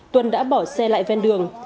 tuân đã bỏ xe lại ven đường